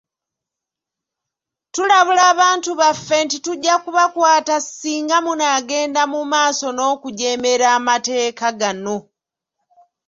Tulabula abantu baffe nti tujja kubakwata singa munaagenda mu maaso n'okujeemera amateeka gano.